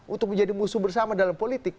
untuk menjadi musuh bersama dalam politik